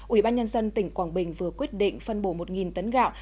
ủy ban nhân dân tỉnh quảng bình vừa quyết định phân bổ một tấn gạo